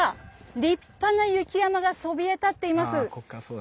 立派な雪山がそびえ立っています！